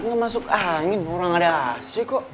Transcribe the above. nggak masuk angin kurang ada ac kok